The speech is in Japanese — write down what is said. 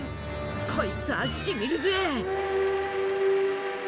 こいつはしみるぜ！